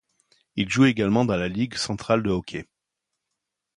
Il joue également dans la Ligue centrale de hockey.